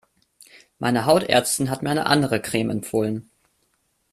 Meine Hautärztin hat mir eine andere Creme empfohlen.